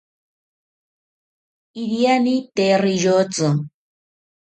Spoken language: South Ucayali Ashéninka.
Iriani tee riyotzi